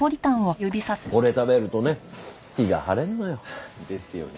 これ食べるとね気が晴れるのよ。ですよね。